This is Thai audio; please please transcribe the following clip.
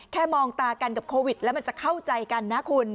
มองตากันกับโควิดแล้วมันจะเข้าใจกันนะคุณ